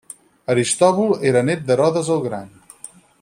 Aristòbul era nét d'Herodes el gran.